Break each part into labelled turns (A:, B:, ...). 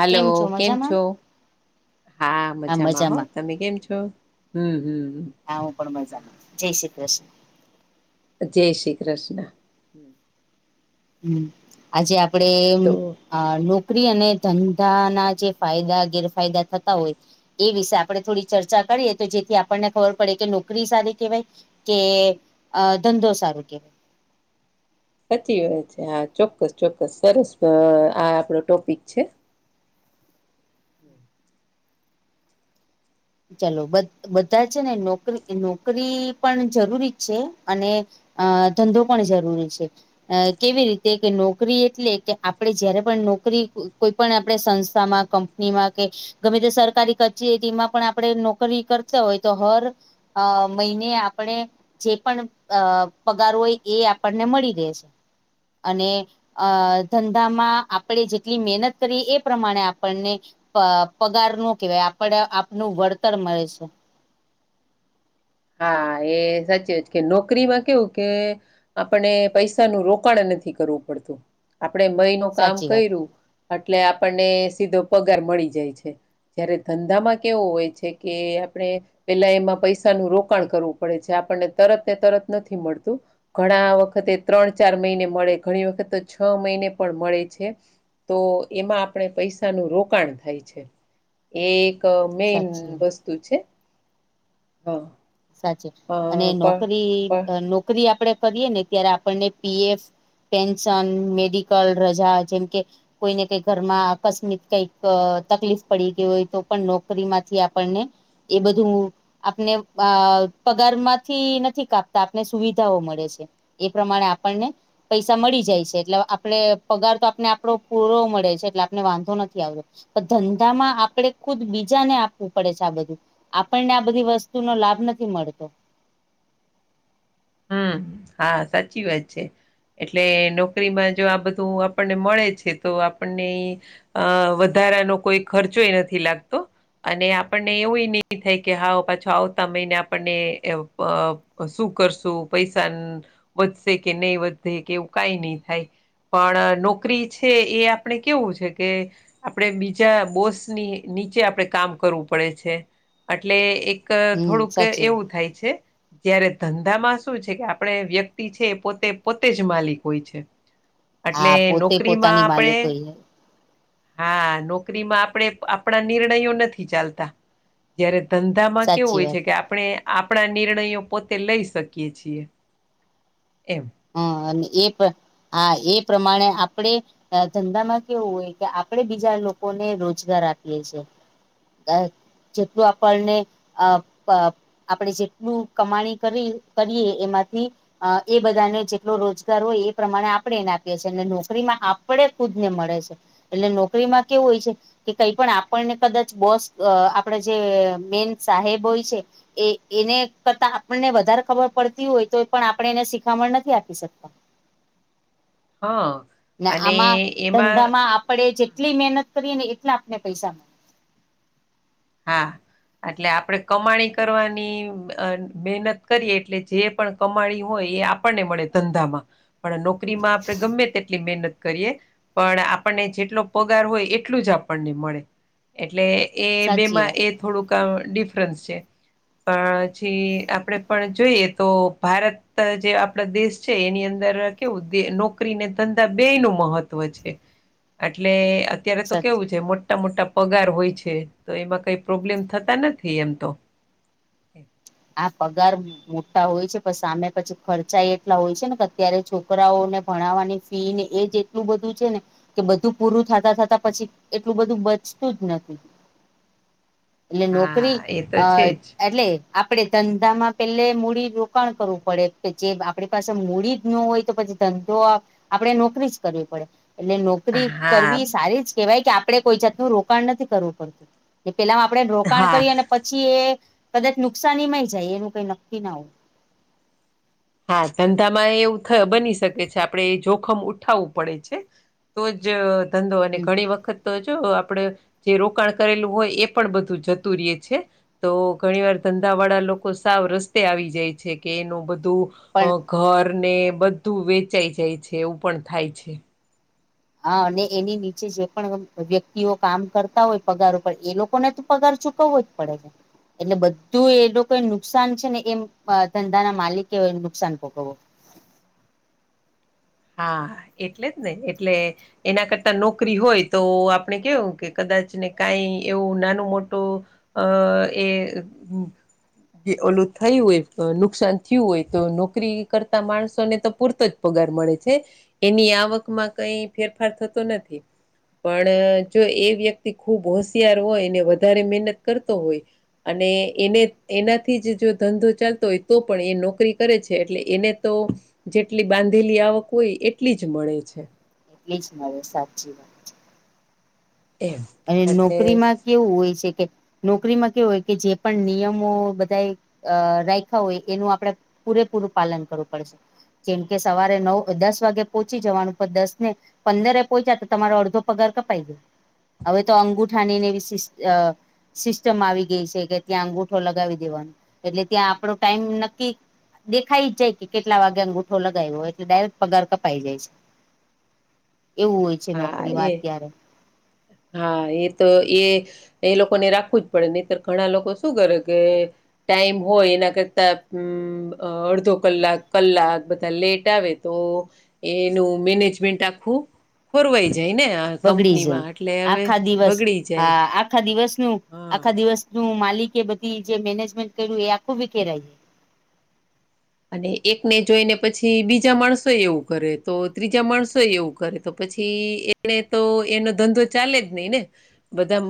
A: Hello કેમ છો? હા મજામાં હો તમે કેમ છો હમ હમ.
B: હા હું પણ મજામાં
A: હા,
B: જય શ્રી કૃષ્ણ.
A: જય શ્રી કૃષ્ણ.
B: હમ આજે આપણે
A: તો
B: નોકરી અને ધન ધા ના જે ફાયદા ગેરફાયદા થતા હોય એ વિશે આપણે થોડી ચર્ચા કરીએ તો જેથી આપણને ખબર પડે કે નોકરી સારી કહેવાય કે અ ધંધો સારું કેવાય.
A: સાચી વાત છે હા ચોક્કસ ચોક્કસ સરસ આ આપનો ટોપિક છે. હમ.
B: ચલો બધા છે ને નોકરી નોકરી પણ જરૂરી જ છે અને અ ધંધો પણ જરૂરી છે. અ કેવી રીતે કે નોકરી એટલે કે આપણેે જયારે પણ નોકરી કોઈ પણ આપણે સંસ્થામાં કમ ની એમાં કે ગમે તે સરકારી કચેરીમાં પણ આપણે નોકરી કરતા હોય તો હર અ મહિને આપણેે જે પણ અ પગાર હોય એ આપણને મળી રહેે છે અને અ ધંધામાં આપણે જેટલી મહેનત કરી એ પ્રમાણે આપણને પગાર નું કેવાય આપણું આપનું વળતર મળે છે.
A: હા એ સાચે જ કે નોકરીમાં કેવું કે આપણે પૈસાનું રોકાણ નથી કરવું પડતું આપણે મહિનો કામ
B: સાચી વાત
A: કર્યું એટલે આપણને સીધો પગાર મળી જાય છે. જયારે ધંધામાં કેવો હોય છે કે આપણે પેલા એમાં પૈસા નું રોક રોકાણ કરવું પડે છે આપણને તરત ને તરત નથી મળતું. ઘણા વખતે ત્રણ ચાર મહિને મળે ઘણી વખત તો છ મહિને પણ મળે છે. તો એમાં આપણે પૈસાનું રોકાણ થાય છે. એ એક મેન
B: સાચી
A: વસ્તુ છે. હા.
B: સાચું કીધું અને નોકરી
A: પણ
B: નોકરી આપણે કરીએ ને ત્યારે આપણને પીએફ પેન્શન, મેડિકલ રજા, જેમ કે કોઈને કઈ ઘરમાં અકસ્મિત કઈક તકલીફ પડી ગઈ હોય તો પણ નોકરી માંથી આપણને એ બધું આપને અ પગાર માંથી નથી કાપતા આપને સુવિધાઓ મળે છે. એ પ્રમાણે આપણને પૈસા મળી જાય છે એટલે આપણે પગાર તો આપને આપણો પૂરો મળે છે એટલે આપને વાંધો નથી આવતો પણ ધંધામાં આપણે ખુદ બીજાને આપવું પડે છે આ બધું આપણને આ બધી વસ્તુ વસ્તુ નો લાભ નથી મળતો.
A: હમ્મ, હા સાચી વાત છે એટલે નોકરીમાં જો આ બધું આપણને મળે છે, તો આપણને અ વધારાનો કોઈ ખર્ચોય નથી લાગતો, અને આપણને એવુંય નહી થાય કે હા પાછો આવતા મહિને આપણને શું કરશું. શું પૈસા વધશે કે નહી વધે કે એવું કઈ નહી થાય, પણ નોકરી છે એ આપણે કેવું છે કે, આપણેે બીજા બોસની નીચે આપણે કામ કરવું પડે છે, એટલે એક [unintelligible]
B: હમ
A: થોડુંક
B: સાચી વાત
A: એવું થાય છે, જયારે ધંધામાં શું છે કે આપણે વ્યક્તિ છે એ પોતે પોતે જ માલિક હોય છે. એટલે
B: હા પોતે
A: નોકરીમાં
B: પોતાની માલિક
A: આપણેે,
B: હોય
A: હ, નોકરીમાં આપણે આપણા નિર્ણયો નથી ચાલતા જયારે ધંધામાં કેવું
B: સાચી
A: હોય
B: વાત
A: છે કે, આપણે આપણા નિર્ણયો પોતે લઈ શકીએ. [unintelligible] એમ
B: હમ્મ અને એ હા એ પ્રમાણે આપણેે ધંધા માં કેવું હોય કે આપડે બીજા લોકોને રોજગાર આપીએ છેએ, જેટલું આપણને આ [unintelligible] આપણેે જેટલું કમાણી કરી કરીએ એમાંથી એક બધાને જેટલો રોજગાર હોય એ પ્રમાણે આપણે એને આપીએ છીએ અને નોકરીમાં આપણે ખુદ ને મળે છે. એટલે નોકરીમાં કેવું હોય છે, કે કઈ પણ આપણને કદાચ બોસ આપડે જે મેન સાહેબ હોય છે. એ એને કરતા આપણને વધારે ખબર પડતી હોય તો પણ આપણે એને સીખામણ નથી આપી શકતા.
A: હા અને
B: આમાં
A: એમાં
B: ધંધામાં આપડે જેટલી મહેનત કરીએ એટલા આપને પૈસા
A: હા, એટલે આપણેે કમાણી કરવાની મહેનત કરીએ એટલે જે પણ કમાણી હોય એ આપણને મળે ધંધામાં પણ નોકરીમાં આપણે ગમે તેટલી મહેનત કરીએ, પણ આપણને જેટલો પગાર હોય એટલું જ આપણને મળે એટલે એ
B: સાચી
A: બેમાં
B: વાત
A: એ થોડુંક ડિફરન્સ છે. પણ છી આપણેે પણ જોઈએ તો ભારત [unintelligible] જે આપણા દેશ છે એની અંદર કેવું નોકરીને ધંધા બેય નું મહત્વ છે. અટલે અત્યારે તો
B: સાચી
A: કેવું છે મોટા મોટા પગાર હોય છે, તો એમાં કઈ પ્રોબ્લેમ થતા નથી, એમ તો
B: આ પગાર મોટા હોય છે પણ સામે પછી ખર્ચા એટલા હોય છે ને કે અત્યારે છોકરાઓને ભણાવવાની ફી ને એજ જેટલું બધું છે ને, કે બધું પૂરું થતા થતા પછી એટલું બધું બચતું જ નથી. એટલે નોકરી
A: હા એ તો
B: અ
A: છે જ
B: એટલે આપડે ધંધામાં પેલે મૂડી રોકાણ કરવું પડે કે જે આપણી પાસે મૂડી જ ન હોય તો પછી ધંધો [unintelligible] આપડે નોકરી જ કરવી પડે એટલે નોક નોકરી
A: હા
B: કરવી સારી જ કેહેવાય કે આપણેે કોઈ જાતનું રોકાણ નથી કરવું પડતું, એ પેલામાં આપણે રોકાણ
A: હા
B: કરીએ અને પછી એ કદાચ નુકસાનીમાંય જાય એનું કઈ નક્કી ના હોય.
A: હા ધંધામાં એવું બની શકે છે, આપણે એ જોખમ ઉઠાવવું પડે છે. તો જ ધંધો અને ઘણી વખત તો જો આપણેે જે રોકાણ કરેલું હોય એ પણ બધું જતું રએ છે. તો ઘણી વાર ધંધા વાળા લોકો સાવ રસ્તે આવી જાય છે કે એનું બધું, અ
B: પણ
A: ઘર ને બધું વેચાઈ જાય છે એવું પણ થાય છે.
B: હા, અને એની નીચે જે પણ વ્યક્તિઓ કામ કરતા હોય પગાર ઉપર એ લોકોને તો પગાર ચૂકવવો પડે છે, એટલે બધું એ લોકો એ નુકસાન છે ને એમ ધંધા ના માલિકે એ નુકસાન ભગવવું
A: હા એટલે જ ને એટલે એના કરતા નોકરી હોય તો આપણે કેવું કે કદાચ ને કાઈ એવું નાનું મોટું અ એ હમમ. જે ઓલું થયું હોય કે નુકસાન થયું હોય તો નોકરી કરતા માણસોને તો પૂરતો જ પગાર મળે છે એની આવકમાં કઈ ફેરફાર થતો નથી. પણ જો એ વ્યક્તિ ખૂબ હોશિયાર હોય ને વધારે મહેનત કરતો હોય અને એને એનાથી જ જો ધંધો ચાલતો હોય તો પણ એ નોકરી કરે છે એટલે એને તો જેટલી બાંધેલી આવક હોય એટલી જ મળે છે.
B: એટલી જ મળે સાચી વાત.
A: એમ
B: અને
A: એટલે
B: નોકરીમાં કેવું હોય છે કે નોકરીમાં કેવુ હોય કે જે પણ નિયમો બધા રાયખા હોય એનું આપડે પૂરેપૂરું પાલન કરવું પડશે. જેમકે સવારે નવ દસ વાગે પહોંચી જવાનું પણ દસને પંદરે પોહોંચ્યા તો તમારો અડધો પગાર કપાઈ જાય. અવે તો અંગુઠાની ને એવી સી અ સિસ્ટમ આવી ગેય છે કે ત્યાં અંગુઠો લગાવી દેવાનો એટલે ત્યાં આપણો ટાઈમ નક્કી દેખાઈ જાય કે કેટલા વાગ્યે અંગૂઠો લગાવ્યો એટલે ડાયરેક્ટ પગાર કપાઈ જાય છે. એવું હોય છે
A: હા
B: નોકરીમાં
A: એ
B: અત્યારે
A: હા એ તો એ એ લોકોને રાખવું જ પડે નહીતર ઘણા લોકો શું કરે કે ટાઈમ હોય એના કરતા અ અડધો કલાક કલાક બધા લેટ આવે. તો એનું મેનેજમેન્ટ આખું ખોરવાઈ જાય ને
B: બગડી જાય
A: કંપનીમાં એટલે હવે
B: આખા દિવસ
A: બગડી જાય.
B: હા આખા દિવસનું,
A: હા
B: આખા દિવસ નું માલિકે બધી જે મેનેજમેન્ટ કર્યું એ આખું વિખેરાય જાય.
A: અને એકને જોઈને પછી બીજા માણસો એવું કરે તો ત્રીજા માણસો એ એવું કરે. તો પછી એટલે જ તો એનો ધંધો ચાલે જ નય ને બધા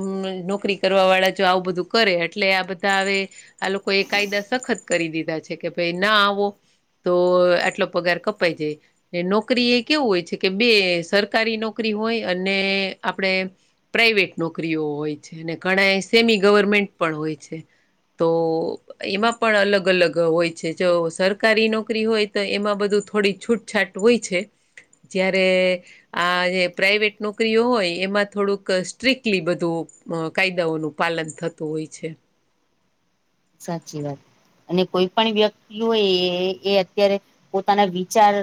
A: નોકરી કરવા વાળા જો આવું બધું કરે એટલે આ બધા હવે આ લોકો એ કાયદા સખત કરી દીધા છે કે ભાઈ ના આવો તો આટલો પગાર કપાય જાય. નોકરી એ કેવું હોય છે કે બે સરકારી નોકરી હોય અને આપણેે પ્રાાઈવેટ નોકરીઓ હોય છે અને ઘણા એ સેમી ગવર્મેન્ટ પણ હોય છે. તો એમાં પણ અલગ અલગ હોય છે. જો સરકારી નોકરી હોય તો એમાં બધું થોડી છૂટછાટ હોય છે. જ્યારે આ જે પ્રાાઈવેટ નોકરીઓ હોય એમાં થોડુંક સ્ટ્રકલી બધું અ કાયદાઓનું પાલન થતું હોય છે.
B: સાચી વાત અને કોઈ પણ વ્યક્તિ હોય એ એ અત્યારે પોતાના વિચાર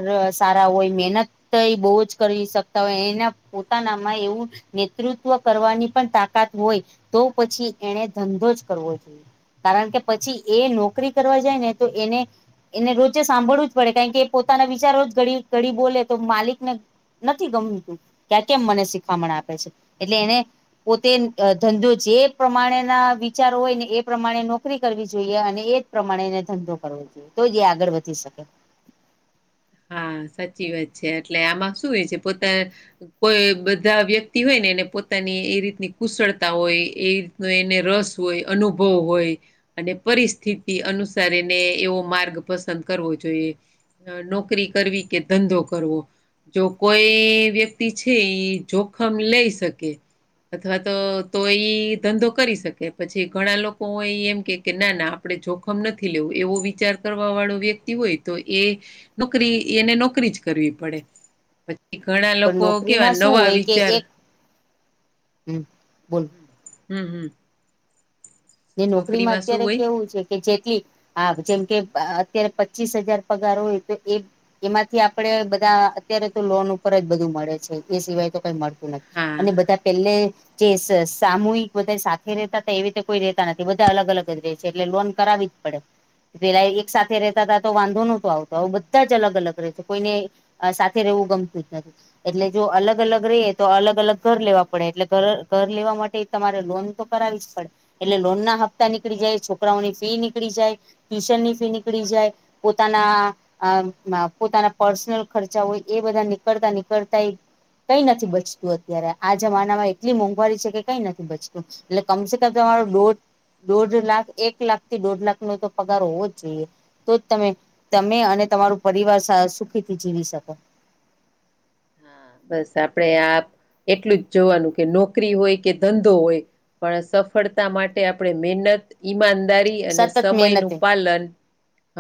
B: સારા હોય, મહેનત તો એ બો જ કરી શકતા હોય એના પોતાનામાં એવું નેતૃત્વ કરવાની પણ તાકાત હોય તો પછી એને ધંધો જ કરવો જોઈએ. કારણ કે પછી એ નોકરી કરવા જાય ને તો એને એને રોજે સાંભળવું જ પડે કારણ કે એ પોતાના વિચારો જ ઘડી ઘડી બોલે તો માલિકને નથી ગમતું કે આ કેમ મને શીખામણ આપે છે એટલે એને પોતે ધંધો જે પ્રમાણેના વિચારો હોય ને એ પ્રમાણે ના નોકરી કરવી જોઈએ અને એ જ પ્રમાણે એને ધંધો કરવો જોઈએ તો જ એ આગળ વધી શકે.
A: હા સાચી વાત છે એટલે આમાં શું હોય છે પોતે કોઈ બધા વ્યક્તિ હોય ને એને પોતાની એ રીતની કુશળતા હોય એ એને રસ હોય અનુભવ હોય. અને પરિસ્થિતિ અનુસાર એને એવો માર્ગ પસંદ કરવો જોઈએ. અ નો નોકરી કરવી કે, ધંધો કરવો. જો કોઈ વ્યક્તિ છે ઈ જોખમ લઈ શકે. અથવા તો તો ઈ ધંધો કરી શકે પછી ઘણા લોકો ઈ એમ કેય કે ના ના આપણે જોખમ નથી લેવું એવો વિચાર કરવા વાળો વ્યક્તિ હોય તો એ. નોકરી એને નોકરી જ કરવી પડે પછી ઘણા
B: પણ
A: લોકો કેવા
B: નોકરીમાં શું
A: નવા
B: હોય કે
A: વિચાર
B: એક હમ બોલ.
A: હમ હમ હમ
B: જે નોકરી માં
A: નોકરીમાં શું
B: અત્યારે
A: હોય
B: કેવું છે. કે જેટલી આ જેમ કે અત્યારે પચીસ હજાર પગાર હોય તો એ. એમાંથી આપડે બધા અત્યારે તો લોન ઉપર જ બધું મળે છે એ સિવાય તો કઈ મળતું નથી
A: હા
B: અને બધા પેલે જે સ સામૂહિક બધા સાથે રહેતા હતા એવી રીતે કોઈ રેતા નથી બધા અલગ અલગ જ ર રહે છે એટલે લોન કરાવી જ પડે. પેલા એક સાથે રહેતા હતા તો વાંધો નહોતો આવતો બધા જ અલગ અલગ રહેશે કોઈને. અ સાથે રહેવું ગમતું જ નથી. એટલે જો અલગ અલગ રહીએ તો અલગ અલગ ઘર લેવા પડે એટલે ઘર લેવા માટે તમારે લોન તો કરાવી જ પડે એટલે લોન ના હપ્તા નીકળી જાય છોકરાઓની ફી નીકળી જાય ટ્યુશનની ફી નીકળી જાય પોતાના અ પોતાના પર્સનલ ખર્ચા હોય એ બધા નીકળતા નીકળતાય કઈ નથી બચતું અત્યારે આ જમાના માં એટલી મોંઘવારી છે કે કઈ નથી બચતું એટલે કમસે કમ તમારો દોઢ દોઢ લાખ એક લાખ થી દોઢ લાખનો તો પગાર હોવો જ જોઈએ. તો જ તમે તમે અને તમારું પરિવાર સ સુખીથી જીવી શકો.
A: હા બસ આપડે આ એટલું જ જોવાનું કે નોકરી હોય કે ધંધો હોય પણ સફળતા માટે આપણે મહેનત ઈમાનદારી અને
B: સતત
A: સમય નું
B: મહેનતે
A: પાલન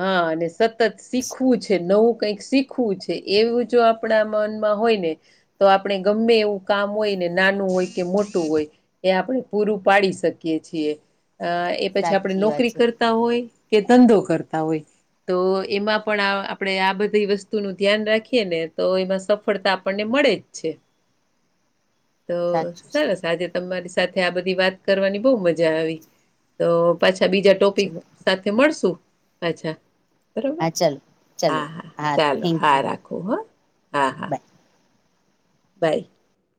A: હા અને સતત શીખવું છે નવું કઈક શીખવું છે એવું જો આપડા મન હોય ને તો આપણે ગમે એવું કામ હોય ને નાનું હોય કે મોટું હોય એ આપણે પૂરું પાડી શકીએ છીએ એ પછી આપણે
B: સાચી વાત
A: નોકરી
B: છે
A: કરતા તા હોય કે ધંધો કરતા હોય. તો એમાં પણ આપડણે આ બધી વસ્તુ નું ધ્યાન રાખીએ ને તો એમાં સ સફળતા આપણને મળે જ છે તો
B: સાચું છે
A: સરસ આજે તમારી સાથે આ બધી વાત કરવાની બહુ મજા આવી તો પાછા બીજા ટોપિક
B: ચલો
A: સાથે મળશું પાછા બરાબર
B: હા ચલો ચલો
A: હા હા ચાલો
B: થેન્ક
A: હા
B: યુ
A: રાખવું હા હા હા.
B: Bye
A: by.